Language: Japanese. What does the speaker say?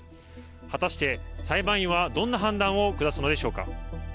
果たして裁判員はどんな判断を下すのでしょうか。